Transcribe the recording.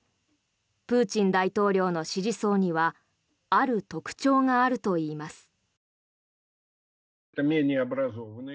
プーチン大統領の支持層にはある特徴があるといいます。